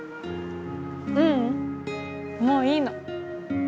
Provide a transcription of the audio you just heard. ううんもういいの。